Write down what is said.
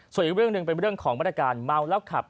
ส่วนอีกเรื่องหนึ่งเป็นเรื่องของมาตรการเมาแล้วขับ